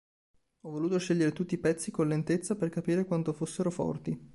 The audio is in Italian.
Ho voluto scegliere tutti i pezzi con lentezza per capire quanto fossero forti".